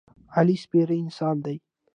علي سپېره انسان دی.